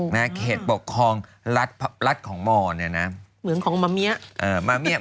เหตุปกครองรัฐของหมอนะเมืองของมะมิ้ะ